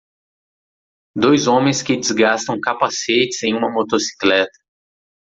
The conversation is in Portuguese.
Dois homens que desgastam capacetes em uma motocicleta.